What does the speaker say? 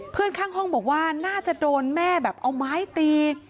ข้างห้องบอกว่าน่าจะโดนแม่แบบเอาไม้ตี